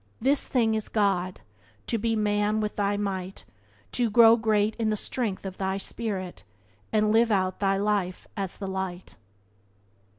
"This thing is God — to be Man with thy might, To grow great in the strength of thy spirit, And live out thy life as the light."